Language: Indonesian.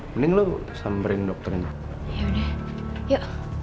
mending lo samperin dokternya